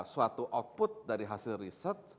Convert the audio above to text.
suatu output dari hasil riset